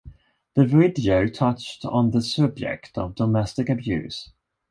The video touched on the subject of domestic abuse.